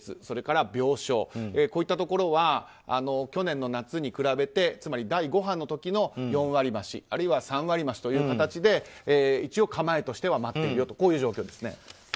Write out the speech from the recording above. それから、病床こういったところは去年の夏に比べてつまり第５波の時の４割増しあるいは３割増しという形で一応、構えとしては待っているという状況ですね。